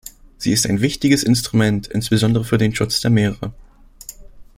Sie ist ein wichtiges Instrument insbesondere für den Schutz der Meere.